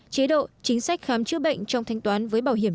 chế độ chính sách khám chữa bệnh trong thanh toán với bảo hiểm